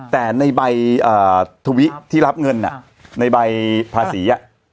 แต่ในใบทวิที่รับเงินในใบภาษี